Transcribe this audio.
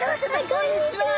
こんにちは！